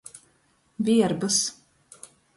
Vierbys.